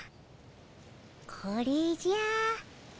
これじゃ。